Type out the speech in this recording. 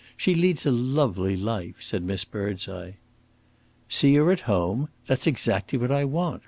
She leads a lovely life!" said Miss Birdseye. "See her at home? That's exactly what I want!"